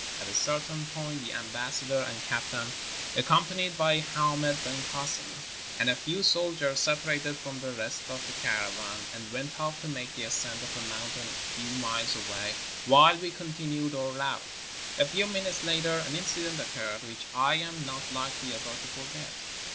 At a certain point the ambassador and captain, accompanied by Hamed ben Kasen and a few soldiers, separated from the rest of the caravan and went off to make the ascent of a mountain a few miles away, while we continued our route. A few minutes later an incident occurred which I am not likely ever to forget.